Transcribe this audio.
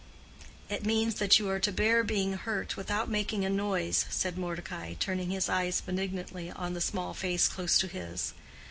"It means that you are to bear being hurt without making a noise," said Mordecai, turning his eyes benignantly on the small face close to his.